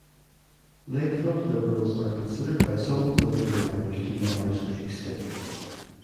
Lakefront liberals are considered by some political writers to be largely extinct.